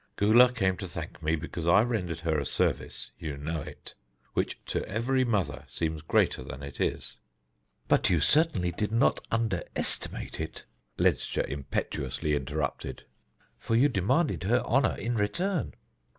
Gula came to thank me because I rendered her a service you know it which to every mother seems greater than it is." "But you certainly did not underestimate it," Ledscha impetuously interrupted, "for you demanded her honour in return."